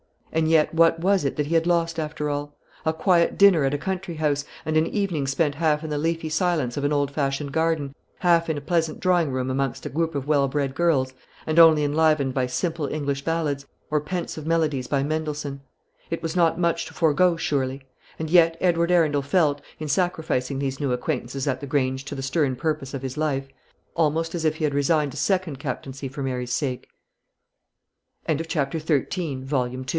And yet what was it that he had lost, after all? A quiet dinner at a country house, and an evening spent half in the leafy silence of an old fashioned garden, half in a pleasant drawing room amongst a group of well bred girls, and only enlivened by simple English ballads, or pensive melodies by Mendelssohn. It was not much to forego, surely. And yet Edward Arundel felt, in sacrificing these new acquaintances at the Grange to the stern purpose of his life, almost as if he had resigned a second captaincy for Mary's sake. CHAPTER XIV. THE CHILD'S VOICE IN THE PAVILION BY THE WATER.